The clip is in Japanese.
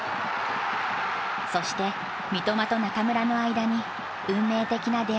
そして三笘と中村の間に運命的な出会いが訪れる。